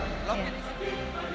tumpeng ini isinya banyak